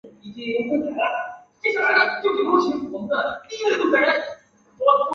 同时他玛使长子名份得以延续。